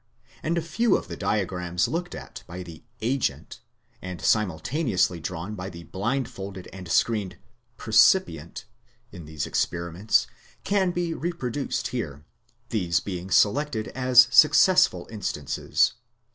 and a few of the diagrams looked at by the "agent" and simultaneously drawn by the blindfolded and screened "per cipient" in these experiments can be reproduced here; these being selected as successful instances.